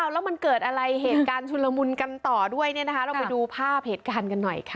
แล้วมันเกิดอะไรเหตุการณ์ชุนละมุนกันต่อด้วยเราไปดูภาพเหตุการณ์กันหน่อยค่ะ